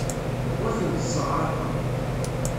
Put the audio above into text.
Ur tent-sseɣraqeɣ.